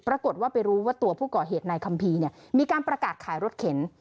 ปรากฏว่าไปรู้ว่าตัวผู้ก่อเหตุนายคัมภีร์เนี่ยมีการประกาศขายรถเข็น